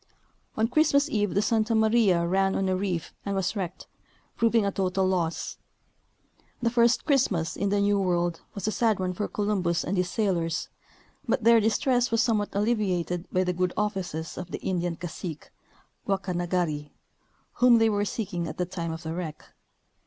On Christmas eve the Santa Maria ran on a reef and was wrecked, proving a total loss. The first Christmas in the New World was a sad one for Columbus and his sailors, but their distress was somewhat alleviated by the good offices of the Indian cacique, Guacanagari, whom they were seeking at the time of the Avreck.